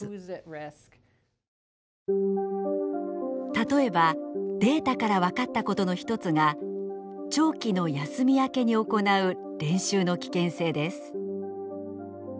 例えばデータから分かったことの一つが長期の休み明けに行う練習の危険性です。